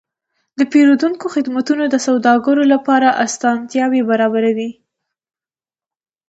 د پیرودونکو خدمتونه د سوداګرو لپاره اسانتیاوې برابروي.